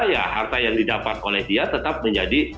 ya harta yang didapat oleh dia tetap menjadi